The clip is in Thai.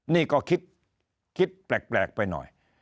นี่ก็คิดแปลกไปหน่อย